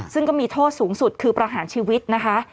ซึ่งก็มีโทษสูงสุดคือประหารชีวิตนะคะ